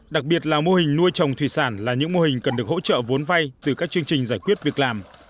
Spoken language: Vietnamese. đặc biệt là mô hình nuôi trồng thủy sản là những mô hình cần được hỗ trợ vốn vay từ các chương trình giải quyết việc làm